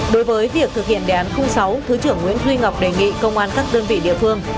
đối với việc thực hiện đề án khu sáu thứ trưởng nguyễn duy ngọc đề nghị công an các đơn vị địa phương